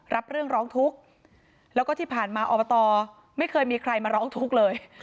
รับเรื่องร้องทุกข์แล้วก็ที่ผ่านมาอบตไม่เคยมีใครมาร้องทุกข์เลย